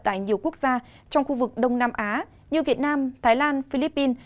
tại nhiều quốc gia trong khu vực đông nam á như việt nam thái lan philippines